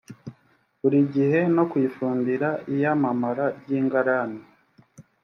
buri gihe no kuyifumbira iyamamara ry ingarane